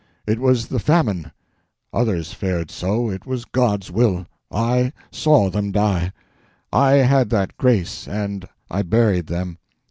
It was the famine; others fared so—it was God's will. I saw them die; I had that grace; and I buried them.